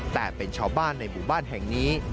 แต่เป็นชาวบ้านในหมู่บ้านแห่งนี้